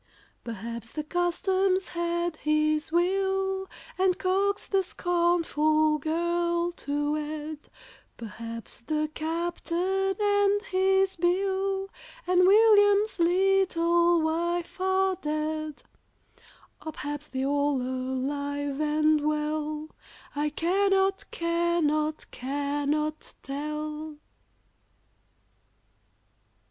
Perhaps the Customs had his will, And coaxed the scornful girl to wed, Perhaps the Captain and his BILL, And WILLIAM'S little wife are dead; Or p'raps they're all alive and well: I cannot, cannot, cannot tell.